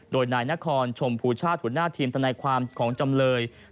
โดยนายนครชมภูชาสหุ่นนาธินทนายความของจำลย